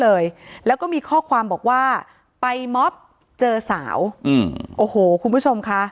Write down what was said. เลยแล้วก็มีข้อความบอกว่าไปมอบเจอสาวอืมโอ้โหคุณผู้ชมค่ะ